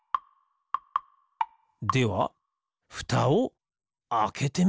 ではふたをあけてみますよ！